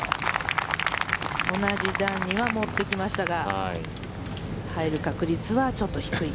同じ段には持ってきましたが入る確率はちょっと低い。